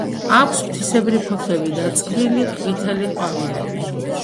აქვს ფრთისებრი ფოთლები და წვრილი ყვითელი ყვავილები.